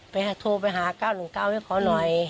โทรไปหา๙๑๙ให้เขาหน่อย